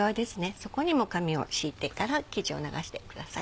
そこにも紙を敷いてから生地を流してください。